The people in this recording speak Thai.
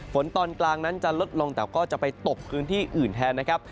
ตอนกลางนั้นจะลดลงแต่ก็จะไปตกพื้นที่อื่นแทนนะครับ